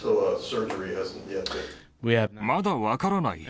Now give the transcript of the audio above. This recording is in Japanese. まだ分からない。